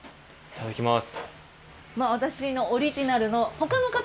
いただきます。